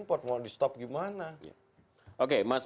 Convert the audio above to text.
oke mas mis bagun gimana tangkapannya